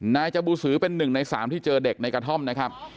นายจบูสือเป็น๑ใน๓ที่เจอเด็กในกระท่อมนะครับ